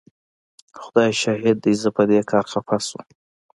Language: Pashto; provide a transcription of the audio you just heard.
خدای شاهد دی زه په دې کار خفه شوم.